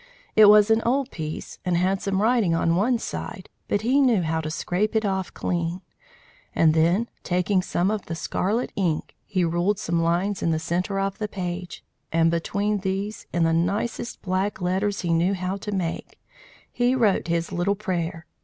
It was an old piece, and had some writing on one side, but he knew how to scrape it off clean; and then taking some of the scarlet ink, he ruled some lines in the centre of the page, and between these, in the nicest black letters he knew how to make, he wrote his little prayer.